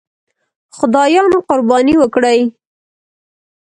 خدایانو قرباني وکړي.